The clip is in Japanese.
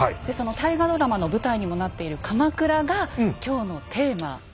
でその大河ドラマの舞台にもなっている「鎌倉」が今日のテーマ。